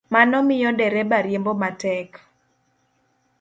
Mano miyo dereba riembo matek